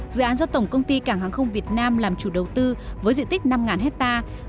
dự án do tổng công ty cảng hàng không việt nam làm chủ đầu tư với diện tích năm hectare